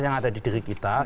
yang ada di diri kita